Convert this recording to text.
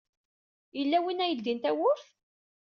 Yella win ara yeldin tawwurt?